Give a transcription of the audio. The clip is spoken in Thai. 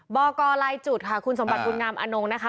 บอกกรลายจุดค่ะคุณสมบัติบุญงามอนงนะคะ